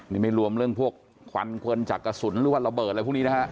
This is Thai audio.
นี่ไม่รวมเรื่องพวกควันควันจากกระสุนหรือว่าระเบิดอะไรพวกนี้นะฮะ